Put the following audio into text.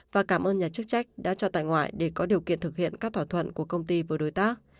và cảm ơn nhà chức trách đã cho tại ngoại để có điều kiện thực hiện các thỏa thuận của công ty với đối tác